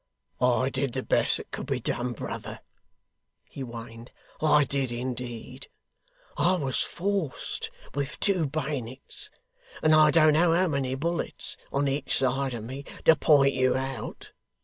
'I did the best that could be done, brother,' he whined; 'I did indeed. I was forced with two bayonets and I don't know how many bullets on each side of me, to point you out.